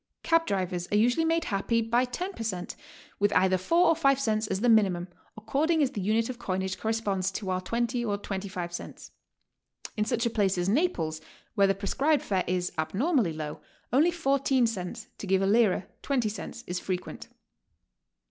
Cab drivers are usually made happy by ten per cent., with either four or five cents as the minimum, according as the unit of coinage corresponds to our 20 or 25 cents. In such a place as Naples, where the prescribed fare is abnormally low, only 14 cents, to give a lira, twenty cents, is frequent.